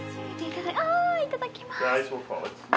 あいただきます。